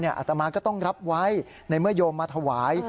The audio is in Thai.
อาตมาก็ต้องรับไว้ในเมื่อโยมมาถวาย